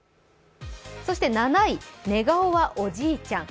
７位、寝顔はおじいちゃん